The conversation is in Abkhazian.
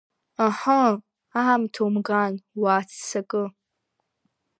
Аҳы, аамҭа умган, уааццакы!